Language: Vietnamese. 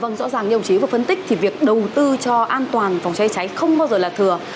vâng rõ ràng như ông chí vừa phân tích thì việc đầu tư cho an toàn phòng cháy cháy không bao giờ là thừa